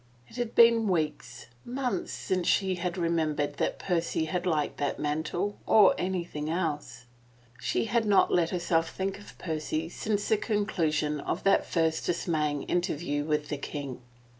... It had been weeks — months — since she had remembered that Percy had liked that mantle or anything else. She had not let herself think of Percy since the conclusion of that first dismaying interview with the king.